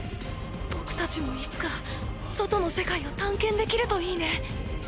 僕たちもいつか外の世界を探検できるといいね。